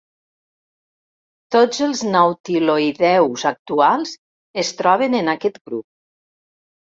Tots els nautiloïdeus actuals es troben en aquest grup.